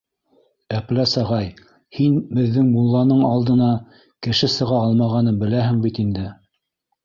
Әпләс ағай, һин беҙҙең мулланың алдына кеше сыға алмағанын беләһең бит инде.